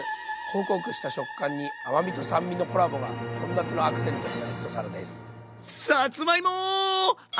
ほくほくした食感に甘みと酸味のコラボが献立のアクセントになる一皿です。